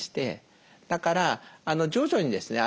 だから徐々にですね